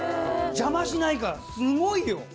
邪魔しないから、すごいよ！